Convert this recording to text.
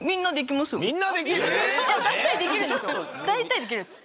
大体できるんですよ。